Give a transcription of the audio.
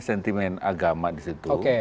sentimen agama di situ